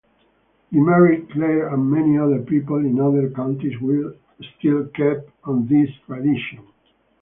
Limerick, Clare and many other people in other counties still keep on this tradition.